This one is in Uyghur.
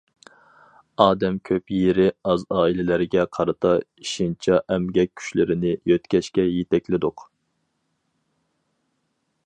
ئادەم كۆپ يېرى ئاز ئائىلىلەرگە قارىتا ئېشىنچا ئەمگەك كۈچلىرىنى يۆتكەشكە يېتەكلىدۇق.